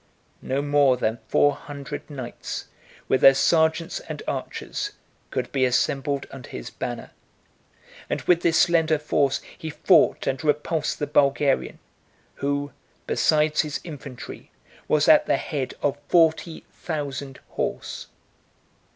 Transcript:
No more than four hundred knights, with their sergeants and archers, could be assembled under his banner; and with this slender force he fought 321 and repulsed the Bulgarian, who, besides his infantry, was at the head of forty thousand horse.